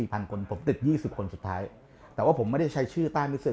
พันคนผมติด๒๐คนสุดท้ายแต่ว่าผมไม่ได้ใช้ชื่อใต้มิส